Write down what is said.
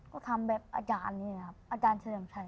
ก็ทำแบบอาจารย์นี้นะครับอาจารย์ชื่ออย่างใคร